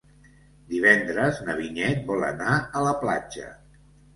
Divendres na Vinyet vol anar a la platja.